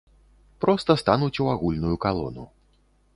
Проста стануць у агульную калону.